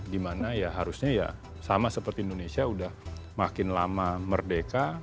dimana ya harusnya ya sama seperti indonesia udah makin lama merdeka